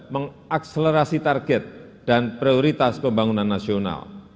mengakselerasi target dan prioritas pembangunan nasional